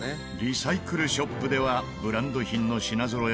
リサイクルショップではブランド品の品ぞろえも豊富。